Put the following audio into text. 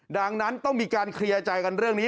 ดังนั้นต้องมีการเคลียร์ใจกันเรื่องนี้